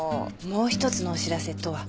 もう一つのお知らせとは？